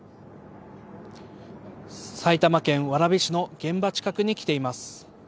埼玉県蕨市の現場近くに来ています。